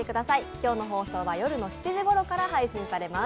今日の放送は夜の７時ごろから放送されます。